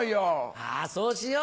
ああそうしよう。